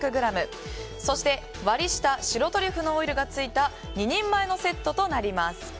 そして、割り下白トリュフのオイルがついた２人前のセットとなります。